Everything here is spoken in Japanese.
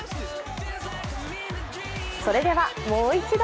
それでは、もう一度。